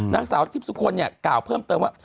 นางสาวทิพย์สุคลเนี่ยกล่าวเพิ่มเติมว่า